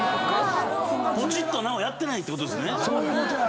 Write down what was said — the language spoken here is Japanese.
「ポチッとな」をやってないってことですね。